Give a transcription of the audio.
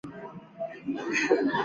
点翰林院庶吉士。